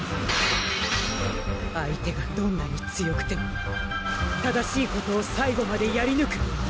相手がどんなに強くても正しいことを最後までやりぬく